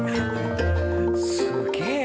すげえ。